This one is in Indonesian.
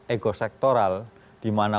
ego sektoral di mana